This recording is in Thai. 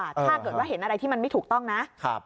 ถ้าเกิดว่าเห็นอะไรที่มันไม่ถูกต้องนะ